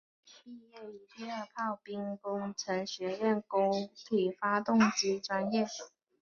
毕业于第二炮兵工程学院固体发动机专业。